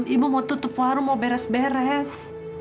ibu mau tutup warung mau beres beres